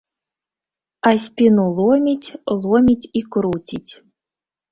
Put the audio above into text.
А спіну ломіць, ломіць і круціць.